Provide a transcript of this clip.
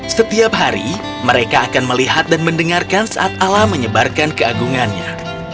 setiap hari mereka akan melihat dan mendengarkan saat alam menyebarkan keagungannya